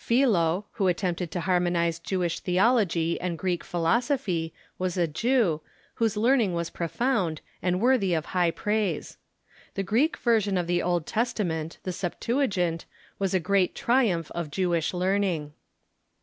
Philo, who at tempted to harmonize Jewish theology and Greek philosophy, was a Jew, whose learning was profound, and Avorthy of high praise. The Greek version of the Old Testament, the Septua gint, Avas a great triumph of JcAvish learning.